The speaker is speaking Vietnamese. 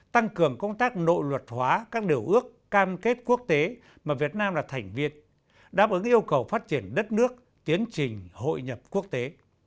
tăng cường công tác nội luật hóa các điều ước cam kết quốc tế mà việt nam là thành viên đáp ứng yêu cầu phát triển đất nước tiến trình hội nhập quốc tế